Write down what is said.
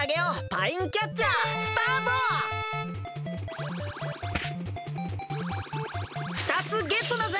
パインキャッチャーふたつゲットだぜ！